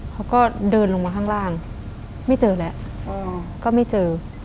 เขาก็เดินลงมาข้างล่างไม่เจอแล้วก็ไม่เจอ